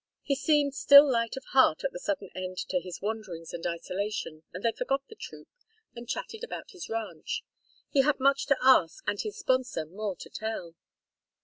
He seemed still light of heart at the sudden end to his wanderings and isolation, and they forgot the troupe and chatted about his ranch. He had much to ask and his sponsor more to tell.